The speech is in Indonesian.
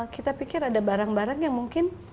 kita pikir ada barang barang yang mungkin